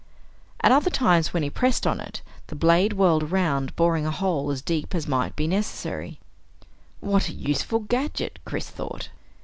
At other times when he pressed on it, the blade whirled around, boring a hole as deep as might be necessary. What a useful gadget! Chris thought.